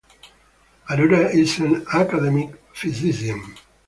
Arora is an academic physician.